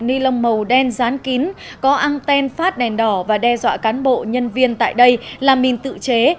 ni lông màu đen dán kín có anten phát đèn đỏ và đe dọa cán bộ nhân viên tại đây làm mình tự chế